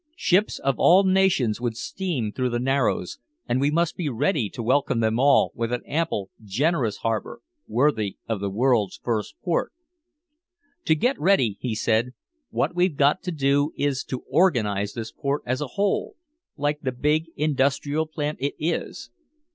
Ships of all nations would steam through the Narrows, and we must be ready to welcome them all, with an ample generous harbor worthy of the world's first port. "To get ready," he said, "what we've got to do is to organize this port as a whole, like the big industrial plant it is."